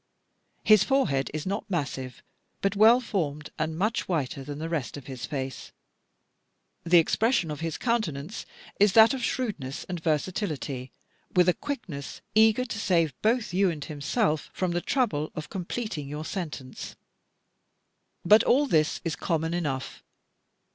His forehead is not massive, but well formed, and much whiter than the rest of his face. The expression of his countenance is that of shrewdness and versatility, with a quickness eager to save both you and himself from the trouble of completing your sentence. But all this is common enough.